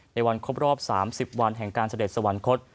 ในวันครบรอบ๓๐วันแห่งการเสด็จสวรรคต